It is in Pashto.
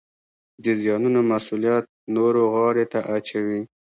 د زیانونو مسوولیت نورو غاړې ته اچوي